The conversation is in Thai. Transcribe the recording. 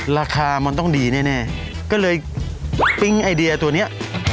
ราคามันต้องดีแน่ก็เลยปิ๊งไอเดียตัวนี้